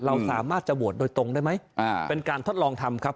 เราสามารถจะโหวตโดยตรงได้ไหมเป็นการทดลองทำครับ